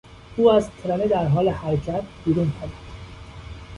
او از ترن در حال حرکت بیرون پرید.